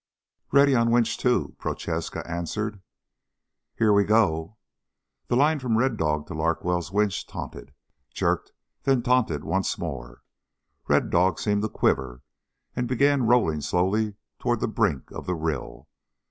"Ready on winch two," Prochaska answered. "Here we go." The line from Red Dog to Larkwell's winch tautened, jerked, then tautened once more. Red Dog seemed to quiver, and began rolling slowly toward the brink of the rill.